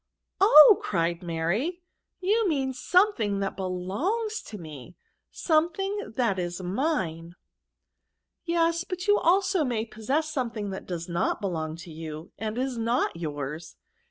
Oh !" cried Mary, " you mean something that belongs to me ; something that is mine. " Yes, but you may also possess something that does not belong^ to you, and is not yours.